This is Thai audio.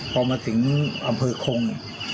พอมาถึงอำเภอคง